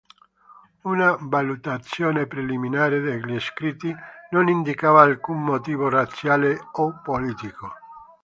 Una valutazione preliminare degli scritti non indicava alcun motivo razziale o politico.